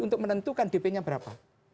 untuk menentukan dp nya berapa